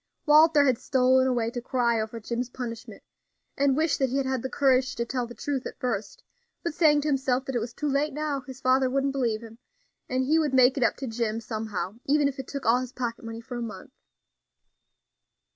Walter had stolen away to cry over Jim's punishment, and wish that he had had the courage to tell the truth at first; but saying to himself that it was too late now, his father wouldn't believe him, and he would make it up to Jim somehow, even if it took all his pocket money for a month.